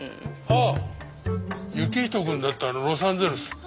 ああ行人くんだったらロサンゼルス。